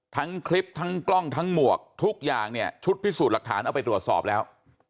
ทั้งคลิปทั้งกล้องทั้งหมวกทุกอย่างเนี่ยชุดพิสูจน์หลักฐานเอาไปตรวจสอบแล้ว